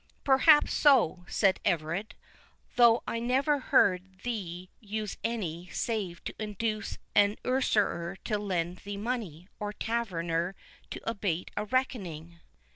"Perhaps so," replied Everard, "though I never heard thee use any, save to induce an usurer to lend thee money, or a taverner to abate a reckoning."